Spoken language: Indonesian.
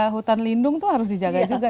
hutan lindung itu harus dijaga juga